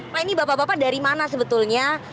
pak ini bapak bapak dari mana sebetulnya